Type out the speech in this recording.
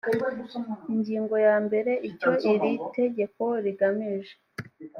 ingingo ya mbere: icyo iri tegeko rigamije